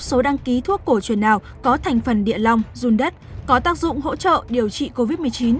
số đăng ký thuốc cổ truyền nào có thành phần địa long dùng đất có tác dụng hỗ trợ điều trị covid một mươi chín